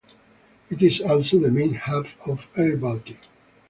It is also the main hub of airBaltic.